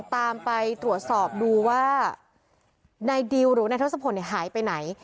ตามไปตรวจสอบดูว่าในดิวหรือในทศพลหายไปไหน